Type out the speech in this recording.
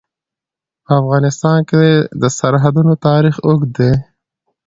په افغانستان کې د سرحدونه تاریخ اوږد دی.